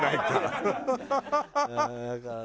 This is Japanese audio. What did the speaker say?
ハハハハ！